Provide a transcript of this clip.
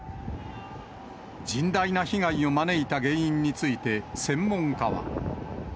甚大な被害を招いた原因について、専門家は。